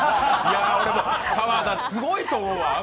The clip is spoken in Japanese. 俺も、川田すごいと思うわ。